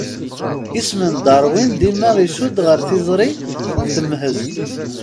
Isem n Darwin dima icudd ɣer tiẓri n temhezt.